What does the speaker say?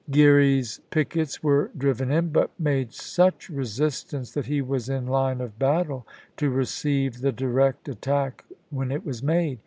Geary's pickets were driven in, but made such resistance that he was in line of battle to receive the direct attack when it was made.